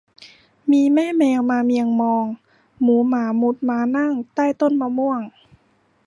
มีแม่แมวมาเมียงมองหมูหมามุดม้านั่งใต้ต้นมะม่วง